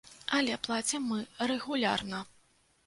Але плацім мы рэгулярна.